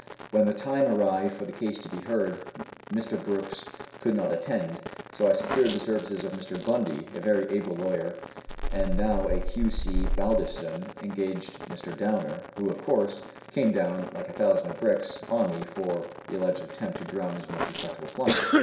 When the time arrived for the case to be heard Mr. Brooks could not attend, so I secured the services of Mr. Bundey, a very able lawyer, and now a Q. C. Baldiston engaged Mr. Downer, who, of course, came down like a thousand of bricks on me for the alleged attempt to drown his most respectable client.